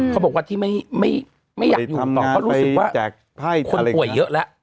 เขาบอกว่าที่ไม่อยากอยู่ต่อเพราะรู้สึกว่าคนป่วยเยอะแล้ว